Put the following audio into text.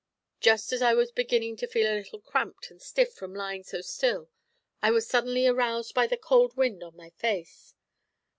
Just as I was beginning to feel a little cramped and stiff from lying so still I was suddenly aroused by the cold wind on my face.